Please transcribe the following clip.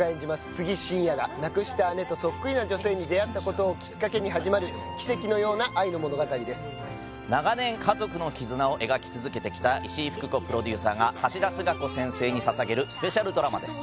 杉信也が亡くした姉とそっくりな女性に出会ったことをきっかけに始まる奇跡のような愛の物語です長年家族の絆を描き続けてきた石井ふく子プロデューサーが橋田壽賀子先生にささげるスペシャルドラマです